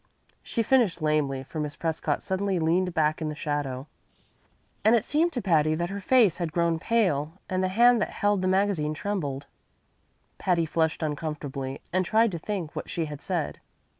She finished lamely, for Miss Prescott suddenly leaned back in the shadow, and it seemed to Patty that her face had grown pale and the hand that held the magazine trembled. Patty flushed uncomfortably and tried to think what she had said.